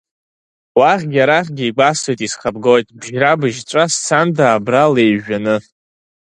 Уахьгьы арахьгьы, игәасҭоит, исхабгоит, бжьра-быжьҵәа сцанда абра леиҩжәаны!